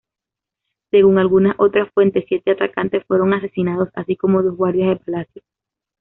Según algunas otras fuentes, siete atacantes fueron asesinados, así como dos guardias del palacio.